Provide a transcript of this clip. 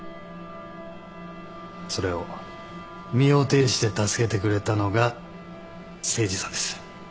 それを身をていして助けてくれたのが誠司さんです。